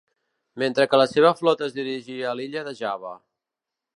Mentre que la seva flota es dirigia a l'illa de Java.